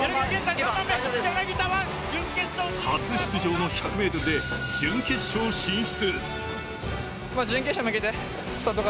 初出場の１００ｍで準決勝進出。